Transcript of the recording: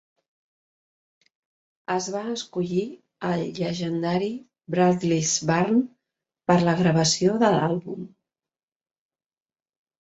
Es va escollir el llegendari "Bradley's Barn" per la gravació de l'àlbum.